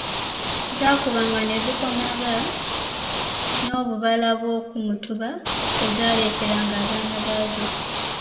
Zaabukanga ne zikomanga n'obubala bw'oku mutuba bwe zaaleteranga abaana baazo.